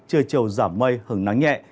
trời trầu giảm mây hứng nắng nhẹ